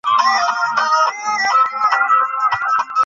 কিন্তু জার্মান-যুদ্ধে হেরে তাঁর সিংহাসন গেল, আবার ফ্রাঁস প্রজাতন্ত্র হল।